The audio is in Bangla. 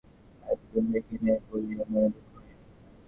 এতদিন দেখি নাই বলিয়া মনে দুঃখ হয়।